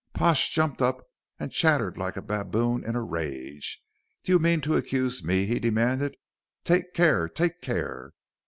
Pash jumped up and chattered like a baboon in a rage. "Do you mean to accuse me?" he demanded. "Take care take care."